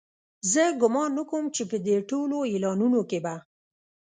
زه ګومان نه کوم چې په دې ټولو اعلانونو کې به.